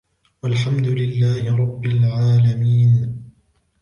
وَالْحَمْدُ لِلَّهِ رَبِّ الْعَالَمِينَ